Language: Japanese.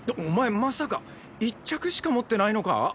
お前まさか１着しか持ってないのか？